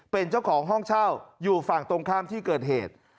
เป็นเจ้าของห้องเช่าอยู่ฝั่งตรงข้ามที่เกิดเหตุ